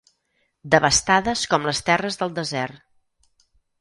Devastades com les terres del desert.